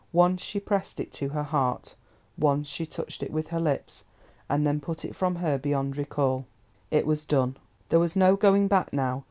Once she pressed it to her heart, once she touched it with her lips, and then put it from her beyond recall. It was done; there was no going back now.